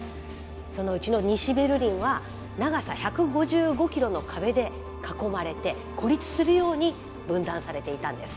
そのうちの西ベルリンは長さ１５５キロの壁で囲まれて孤立するように分断されていたんです。